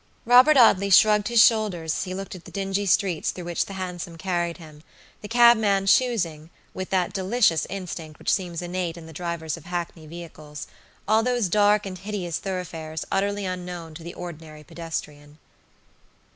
Robert Audley shrugged his shoulders as he looked at the dingy streets through which the Hansom carried him, the cab man choosingwith that delicious instinct which seems innate in the drivers of hackney vehiclesall those dark and hideous thoroughfares utterly unknown to the ordinary pedestrian.